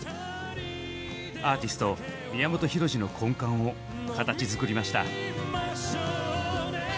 アーティスト宮本浩次の根幹を形づくりました。